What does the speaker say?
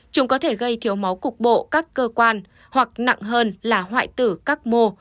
chúng có thể gây thiếu máu cục bộ các cơ quan hoặc nặng hơn là hoại tử các mô